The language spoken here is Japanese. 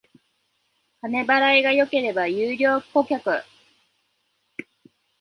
金払いが良ければ優良顧客